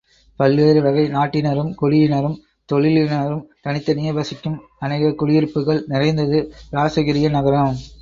பல்வேறு வகை நாட்டினரும், குடியினரும், தொழிலினரும் தனித்தனியே வசிக்கும் அநேகக் குடியிருப்புகள் நிறைந்தது இராசகிரிய நகரம்.